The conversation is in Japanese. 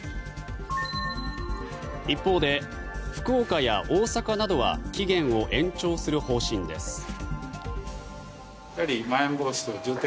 一方で、福岡や大阪などは期限を延長する方針です。